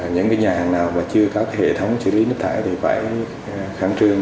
những nhà hàng nào mà chưa có hệ thống xử lý nước thải thì phải kháng trương